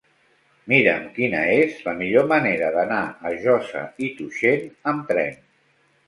Mira'm quina és la millor manera d'anar a Josa i Tuixén amb tren.